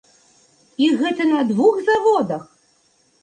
І гэта на двух заводах!